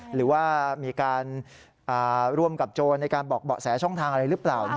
หรือว่ามีการร่วมกับโจรในการบอกเบาะแสช่องทางอะไรหรือเปล่า